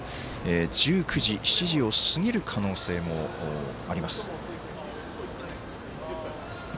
１９時、７時を過ぎる可能性もあります。